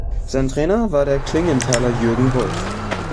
Sein Trainer war der Klingenthaler Jürgen Wolf.